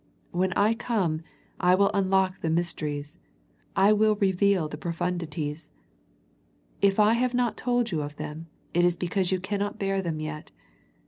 When I come I will unlock the mysteries, I will reveal the profundities. If I have not told you of them, it is because you cannot bear them yet.